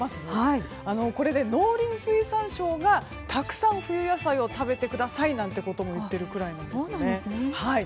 これで農林水産省がたくさん冬野菜を食べてくださいなんてことも言っているくらいなんですね。